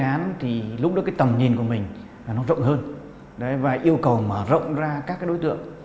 án thì lúc đó cái tầm nhìn của mình là nó rộng hơn đấy và yêu cầu mà rộng ra các đối tượng